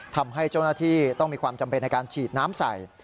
ทำให้เจ้าหน้าที่ต้องมีความจำเป็นในการฉีดน้ำใส่